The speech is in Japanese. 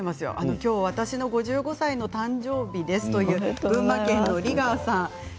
きょう、私の５５歳の誕生日ですという群馬県の方です。